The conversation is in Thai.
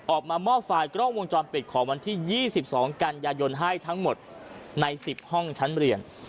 ออกมามอบไฟล์กล้องวงจรปิดของวันที่๒๒กันยายนให้ทั้งหมดใน๑๐ห้องชั้นเรียน